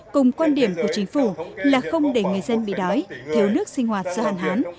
cùng quan điểm của chính phủ là không để người dân bị đói thiếu nước sinh hoạt do hạn hán